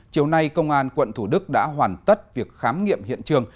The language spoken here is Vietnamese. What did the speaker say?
chiều nay công an quận thủ đức đã hoàn tất việc khám nghiệm hiện trường